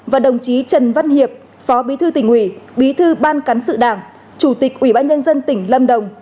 và đồng chí trần văn hiệp phó bí thư tỉnh ủy bí thư ban cán sự đảng chủ tịch ủy ban nhân dân tỉnh lâm đồng